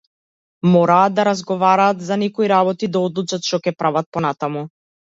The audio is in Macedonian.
Мораа да разговараат за некои работи, да одлучат што ќе прават понатаму.